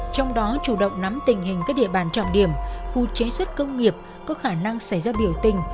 trong đó chủ động nắm tình hình các địa bàn trọng điểm khu chế xuất công nghiệp có khả năng xảy ra biểu tình